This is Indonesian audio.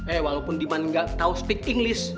eh walaupun diman nggak tau ngomong inggris